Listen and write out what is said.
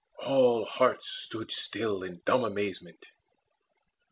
All hearts stood still In dumb amazement.